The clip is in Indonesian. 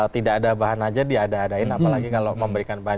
tidak ada bahan aja diada adain apalagi kalau memberikan bahan